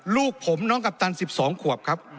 ลูกผมน้องกัปตัน๑๒ขวบครับ